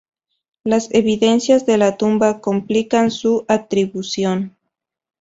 Las evidencias de la tumba complican su atribución.